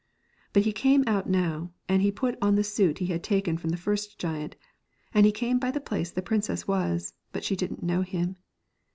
But he came out now, and he put on the suit he had taken from the first giant, and he came by the place the princess was, but she didn't know him.